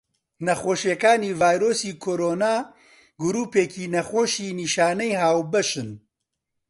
نەخۆشیەکانی ڤایرۆسی کۆڕۆنا گرووپێکی نەخۆشی نیشانەی هاوبەشن.